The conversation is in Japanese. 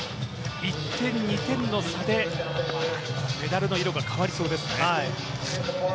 １点、２点の差でメダルの色が変わりそうですね。